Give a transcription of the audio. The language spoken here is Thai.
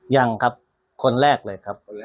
ยังครับคนแรกเลยครับ